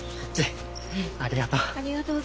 ありがとう。